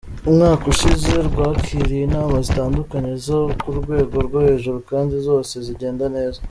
Umwaka ushize rwakiriye inama zitandukanye zo ku rwego rwo hejuru kandi zose zigenda neza.